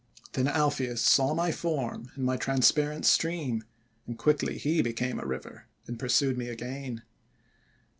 'Then Alpheus saw my form in my trans parent stream, and quickly he became a river, and pursued me again.